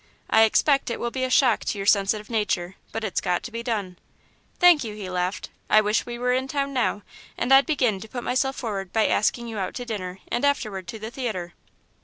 I expect it will be a shock to your sensitive nature, but it's got to be done." "Thank you," he laughed. "I wish we were in town now, and I'd begin to put myself forward by asking you out to dinner and afterward to the theatre."